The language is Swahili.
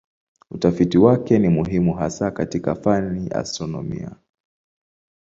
Utafiti wake ni muhimu hasa katika fani ya astronomia.